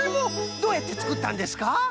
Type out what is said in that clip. どうやってつくったんですか？